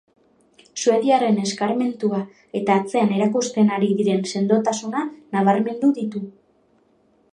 Suediarren eskarmentua eta atzean erakusten ari diren sendotasuna nabarmendu ditu.